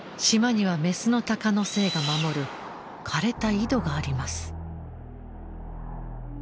島にはメスの鷹の精が守る涸れた井戸があります。